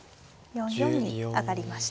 ４四に上がりました。